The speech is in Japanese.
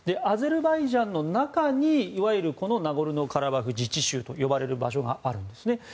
アゼルバイジャンの中にいわゆるナゴルノカラバフ自治州と呼ばれる場所があるんですね。